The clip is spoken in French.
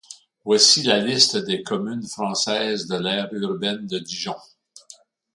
Voici la liste des communes françaises de l'aire urbaine de Dijon.